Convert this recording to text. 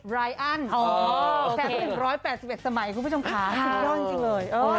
ไรอ่าน๑๘๑สมัยคุณผู้ชมขาสุดยอดจริงเลย